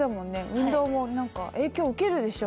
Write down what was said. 運動も何か影響受けるでしょ？